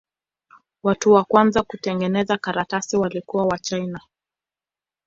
Watu wa kwanza kutengeneza karatasi walikuwa Wachina.